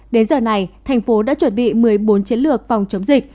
đến giờ này thành phố đã chuẩn bị một mươi bốn chiến lược phòng chống dịch